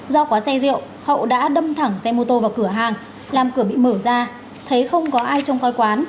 do quá say rượu hậu đã đâm thẳng xe mô tô vào cửa hàng làm cửa bị mở ra thấy không có ai trông coi quán